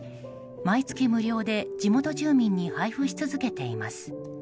毎月、無料で地元住民に配布し続けています。